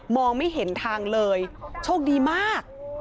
ไม่เห็นทางเลยโชคดีมาก